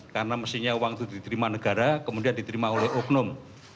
karena mestinya uang itu diterima negara kemudian diterima oleh oknum